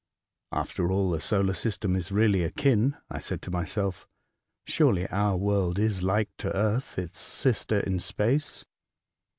" After all, the solar system is really akin," I said to myself. " Surely our world is hke to the earth, its sister in space."